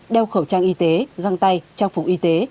đeo khẩu trang y tế găng tay trang phục y tế